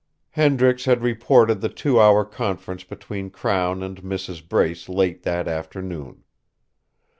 Hendricks had reported the two hour conference between Crown and Mrs. Brace late that afternoon.